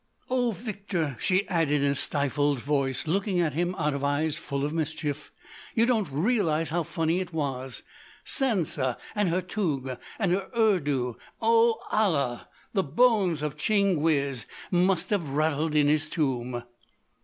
"Oh, Victor," she added in a stifled voice, looking at him out of eyes full of mischief, "you don't realise how funny it was—Sansa and her toug and her Urdu—Oh, Allah!—the bones of Tchinguiz must have rattled in his tomb!"